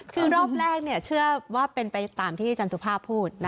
คือรอบแรกเชื่อว่าเป็นไปตามที่อาจารย์สุภาพพูด